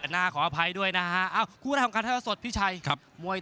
สวัสดีครับ